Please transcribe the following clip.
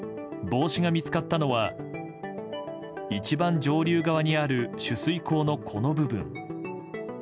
帽子が見つかったのは一番上流側にある取水口のこの部分。